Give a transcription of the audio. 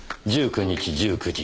１９日１９時。